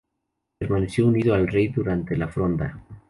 Permaneció unido al rey durante la Fronda.